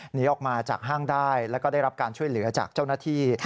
หนีออกมาจากห้างได้แล้วก็ได้รับการช่วยเหลือจากเจ้าหน้าที่